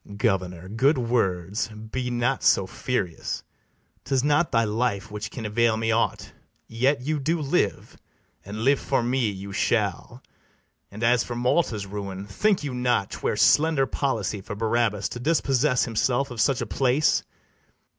BARABAS. Governor, good words; be not so furious 'Tis not thy life which can avail me aught; Yet you do live, and live for me you shall: And as for Malta's ruin, think you not 'Twere slender policy for Barabas To dispossess himself of such a place?